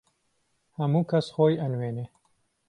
هەموو کەس خۆی ئەنوێنێ